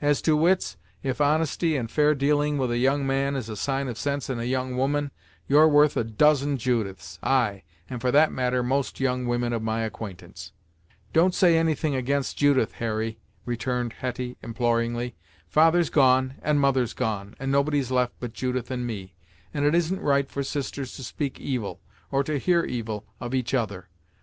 As to wits, if honesty and fair dealing with a young man is a sign of sense in a young woman, you're worth a dozen Judiths; ay, and for that matter, most young women of my acquaintance." "Don't say any thing against Judith, Harry," returned Hetty imploringly. "Father's gone, and mother's gone, and nobody's left but Judith and me, and it isn't right for sisters to speak evil, or to hear evil of each other.